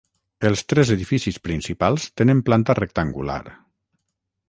Els tres edificis principals tenen planta rectangular.